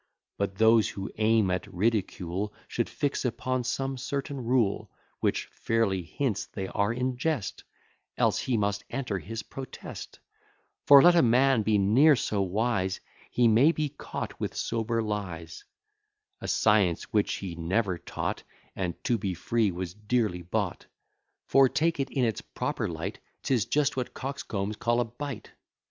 But those who aim at ridicule Should fix upon some certain rule, Which fairly hints they are in jest, Else he must enter his protest: For let a man be ne'er so wise, He may be caught with sober lies; A science which he never taught, And, to be free, was dearly bought; For, take it in its proper light, 'Tis just what coxcombs call a bite.